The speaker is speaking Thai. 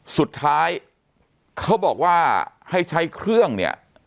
เขาบอกว่าให้ใช้เครื่องเนี่ย